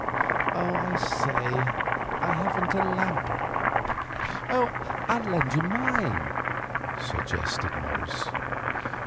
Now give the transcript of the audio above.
I say, I haven't a lamp." "I'll lend you mine," suggested Morris.